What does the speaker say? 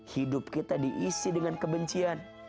hidup kita diisi dengan kebencian